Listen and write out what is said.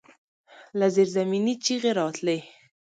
له زيرزمينې چيغې راتلې.